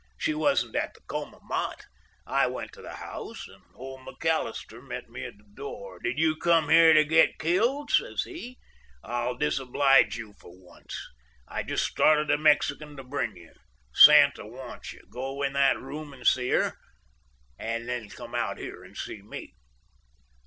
She wasn't at the coma mott. I went to the house; and old McAllister met me at the door. 'Did you come here to get killed?' says he; 'I'll disoblige you for once. I just started a Mexican to bring you. Santa wants you. Go in that room and see her. And then come out here and see me.